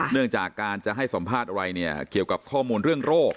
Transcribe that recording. เนื่องจากการจะให้สัมภาษณ์อะไรเนี่ยเกี่ยวกับข้อมูลเรื่องโรค